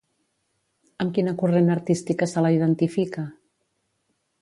Amb quina corrent artística se la identifica?